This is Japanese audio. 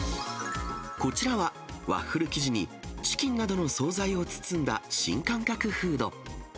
こちらは、ワッフル生地にチキンなどの総菜を包んだ新感覚フード。